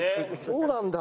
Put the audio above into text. そうなんだ。